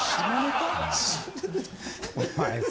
・お前さ。